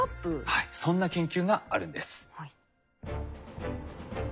はいそんな研究があるんです。